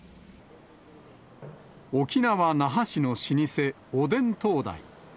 沖縄・那覇市の老舗、おでん東大。